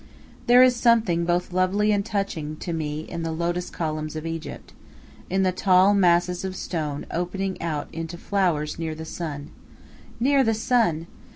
There is something both lovely and touching to me in the lotus columns of Egypt, in the tall masses of stone opening out into flowers near the sun. Near the sun!